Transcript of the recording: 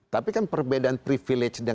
tapi kan perbedaan privilege